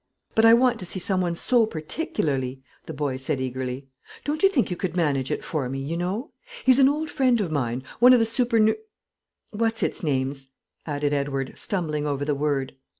"But I want to see some one so particularly," the boy said eagerly. "Don't you think you could manage it for me, you know? He's an old friend of mine, one of the supernu what's its names?" added Edward, stumbling over the word.